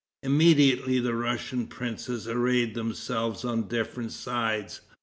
Immediately the Russian princes arrayed themselves on different sides.